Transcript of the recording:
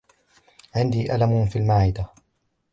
عندي ألم في المعدة.